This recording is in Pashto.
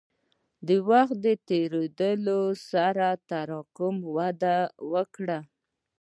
وخت تېرېدو سره تراکم وده وکړه.